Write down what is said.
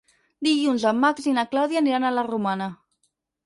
Dilluns en Max i na Clàudia aniran a la Romana.